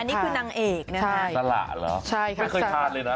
นี่คือนางเอกนะใช่สละเหรอใช่ค่ะไม่เคยทานเลยนะ